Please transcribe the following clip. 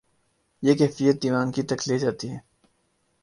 یہ کیفیت دیوانگی تک لے جاتی ہے۔